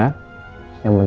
aku mau bantu dia